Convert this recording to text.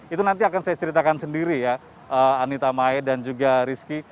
itu nanti akan saya ceritakan sendiri ya anita mae dan juga rizky